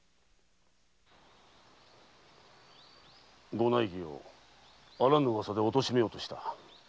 ご内儀をあらぬ噂でおとしめようとした。